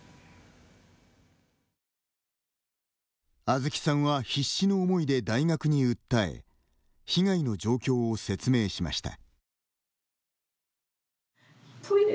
あずきさんは必死の思いで大学に訴え被害の状況を説明しました。